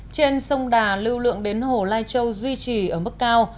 trên sông đà lưu lượng đến hồ lai châu duy trì ở mức cao